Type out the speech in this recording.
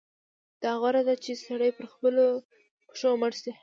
دا غوره ده چې سړی پر خپلو پښو مړ شي.